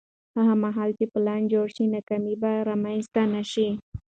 هغه مهال چې پلان جوړ شي، ناکامي به رامنځته نه شي.